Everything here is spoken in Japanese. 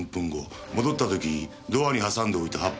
戻った時ドアに挟んでおいた葉っぱは？